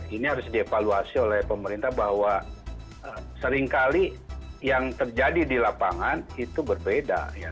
ini harus dievaluasi oleh pemerintah bahwa seringkali yang terjadi di lapangan itu berbeda